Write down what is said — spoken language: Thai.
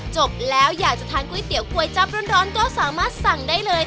จบแล้วอยากจะทานก๋วยเตี๋ยจั๊บร้อนก็สามารถสั่งได้เลย